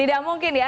tidak mungkin ya